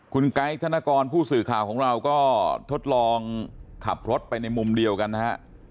คุณไกด์ธนกรผู้สื่อข่าวของเราก็ทดลองขับรถไปในมุมเดียวกันนะฮะ